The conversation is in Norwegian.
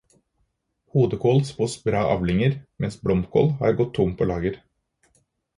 Hodekål spås bra avlinger, mens blomkål har gått tomt på lager.